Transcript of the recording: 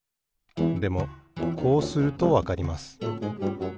でもこうするとわかります。